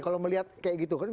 kalau melihat kayak gitu kan